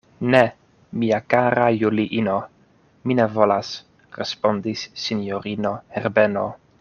Ne, mia kara Juliino, mi ne volas, respondis sinjorino Herbeno.